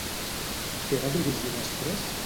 Què va dirigir després?